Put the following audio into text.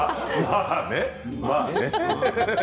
まあね。